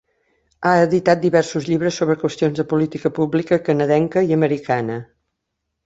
Ha editat diversos llibres sobre qüestions de política pública canadenca i americana.